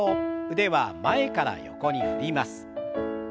腕は前から横に振ります。